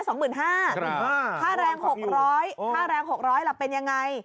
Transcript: ค่าแรง๖๐๐ค่าแรง๖๐๐ล่ะเป็นยังไง